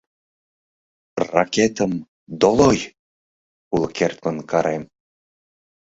Ракетым — долой! — уло кертмын карем.